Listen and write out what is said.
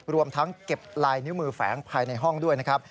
รวมทั้งเก็บลายนิ้วมือแฝงภายในห้องด้วยนะครับ